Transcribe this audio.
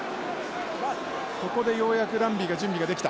ここでようやくランビーが準備ができた。